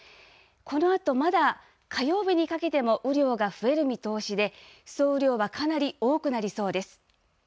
このあと、まだ火曜日にかけても雨量が増える見通しで、総雨量はかなり多くなりそうです。